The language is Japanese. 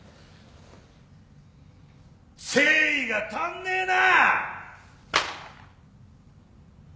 誠意が足んねえな！